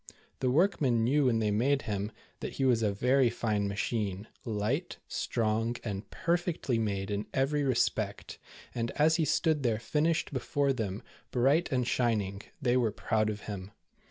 The workmen knew when they made him, that he was a very fine machine, light, strong, and perfectly made in every re spect, and as he stood there finished before them, bright and shining, they were proud of him.